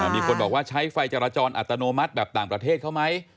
มีคนบอกว่าใช้ไฟจราจรอัตโนมัติแบบต่างประเทศเขาไหม